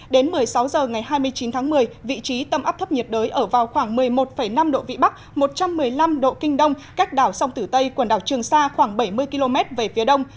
đến một mươi sáu h ngày hai mươi chín tháng một mươi vị trí tâm áp thấp nhiệt đới ở vào khoảng một mươi một năm độ vĩ bắc một trăm một mươi năm độ kinh đông cách đảo sông tử tây quần đảo trường sa khoảng bảy mươi km về phía đông